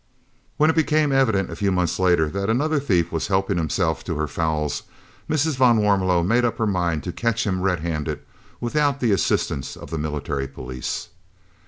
When it became evident, a few months later, that another thief was helping himself to her fowls, Mrs. van Warmelo made up her mind to catch him red handed, without the assistance of the Military Police.